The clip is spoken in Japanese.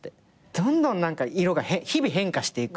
どんどん色が日々変化していく。